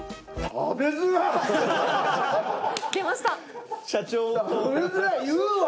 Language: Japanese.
「食べづらい」言うわ！